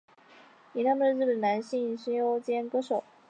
铃木达央是日本的男性声优兼歌手。